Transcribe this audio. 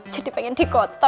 jadi pengen dikotor